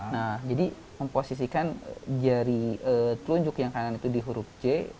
nah jadi memposisikan jari telunjuk yang kanan itu di huruf c